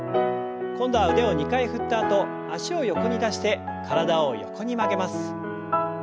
今度は腕を２回振ったあと脚を横に出して体を横に曲げます。